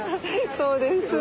そうです。